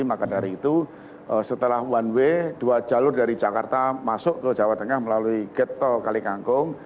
maka dari itu setelah one way dua jalur dari jakarta masuk ke jawa tengah melalui getol kalikangkung